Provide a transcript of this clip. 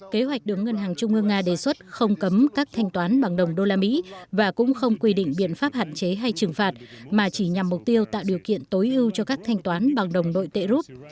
kế hoạch được ngân hàng trung ương nga đề xuất không cấm các thanh toán bằng đồng đô la mỹ và cũng không quy định biện pháp hạn chế hay trừng phạt mà chỉ nhằm mục tiêu tạo điều kiện tối ưu cho các thanh toán bằng đồng nội tệ rút